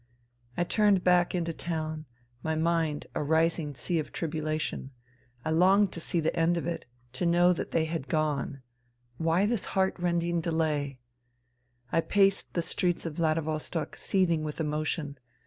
I turned back into town, my mind a rising sea of tribulation. I longed to see the end of it, to know that they had gone. Why this heartrending delay ? I paced the streets of Vladivostok, seething with emotion.